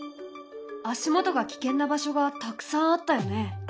足元が危険な場所がたくさんあったよね。